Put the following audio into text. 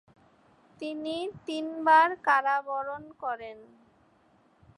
তিনি তিনবার কারাবরণ করেন।